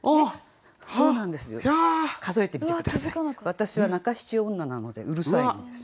私は中七女なのでうるさいんです。